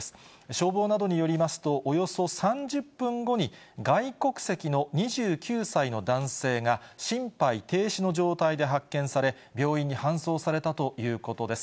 消防などによりますと、およそ３０分後に外国籍の２９歳の男性が、心肺停止の状態で発見され、病院に搬送されたということです。